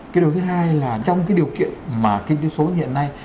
cái điều thứ hai là trong cái điều kiện mà kinh tế số hiện nay